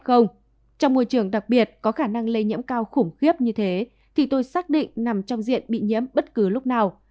trong môi trường đặc biệt có khả năng lây nhiễm cao khủng khiếp như thế thì tôi xác định nằm trong diện bị nhiễm bất cứ lúc nào